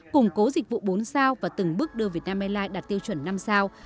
củng cố dịch vụ bốn sao và từng bước đưa việt nam airlines đạt tiêu chuẩn năm sao